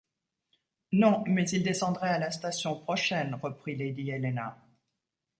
Non, mais il descendrait à la station prochaine, reprit lady Helena.